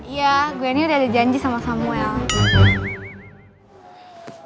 iya gue ini udah ada janji sama samuel